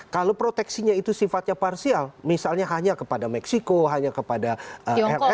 kalau proteksinya itu sifatnya parsial misalnya hanya kepada meksiko hanya kepada rsm